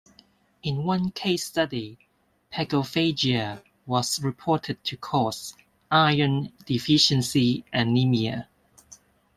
In one case study, pagophagia was reported to "cause" iron deficiency anemia.